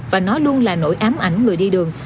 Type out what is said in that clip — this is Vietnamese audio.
và nó luôn là nỗi ám ảnh người đi đường